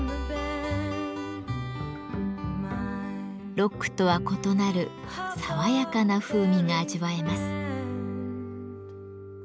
ロックとは異なる爽やかな風味が味わえます。